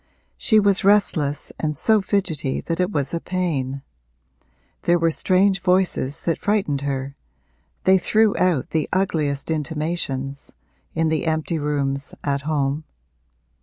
She was restless and so fidgety that it was a pain; there were strange voices that frightened her they threw out the ugliest intimations in the empty rooms at home.